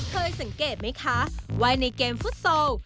เคยสังเกตไหมคะว่าในเกมฟุตซอล